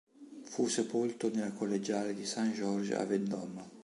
Fu sepolto nella collegiale di Saint-Georges a Vendôme.